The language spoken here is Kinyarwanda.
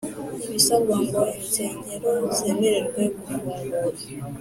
ibisabwa ngo insengero zemererwe gufungura.